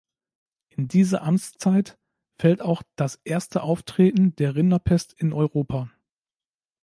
In diese Amtszeit fällt auch das erste Auftreten der Rinderpest in Europa.